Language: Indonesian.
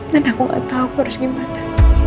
dan aku gak tau aku harus gimana